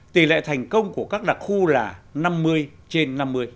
tỷ lệ thành công của các đặc khu là năm mươi trên năm mươi